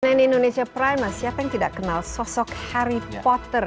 men in indonesia primal siapa yang tidak kenal sosok harry potter